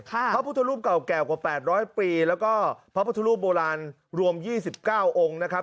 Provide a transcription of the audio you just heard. พระพุทธรูปเก่าแก่กว่า๘๐๐ปีแล้วก็พระพุทธรูปโบราณรวม๒๙องค์นะครับ